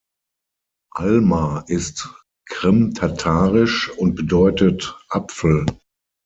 Alma ist krimtatarisch und bedeutet „Apfel“.